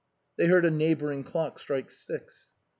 They heard a neighboring clock strike six.